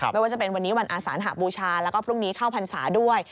ไม่ว่าจะเป็นวันอาสารหักบูชาและพรุ่งนี้ข้อพรรษาด้วย